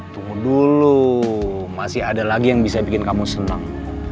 tunggu dulu masih ada lagi yang bisa bikin kamu senang